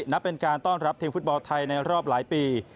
นับเป็นการต้อนรับทีมฟุตบอลไทยในรอบหลายปี